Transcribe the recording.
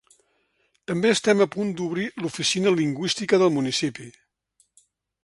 També estem a punt d’obrir l’oficina lingüística del municipi.